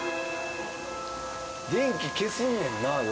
電気消すんねんな夜。